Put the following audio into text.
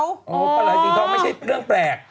ปลาไหลสีทองไม่ใช่เรื่องแปลก